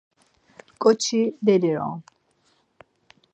ǩoçi deli on.